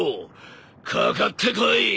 かかってこい！